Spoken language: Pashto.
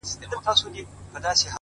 د مرور روح د پخلا وجود کانې دي ته؛